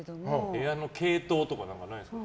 部屋の系統とかはないですか？